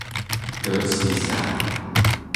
得其下